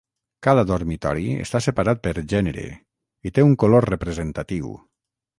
Cada dormitori està separat per gènere i té un color representatiu.